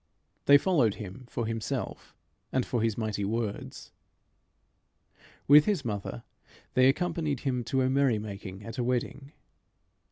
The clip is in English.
They followed him for himself and for his mighty words. With his mother they accompanied him to a merry making at a wedding.